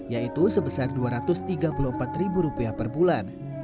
yaitu sebesar rp dua ratus tiga puluh empat per bulan